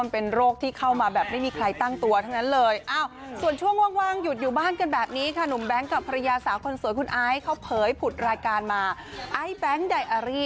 เพราะว่ามันเป็นโรคที่เข้ามา